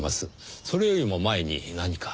それよりも前に何か。